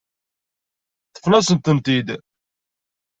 Ṭṭfen-asen-tent-id.